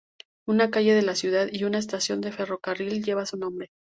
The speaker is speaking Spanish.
Una calle de la ciudad y una estación de ferrocarril llevan su nombre.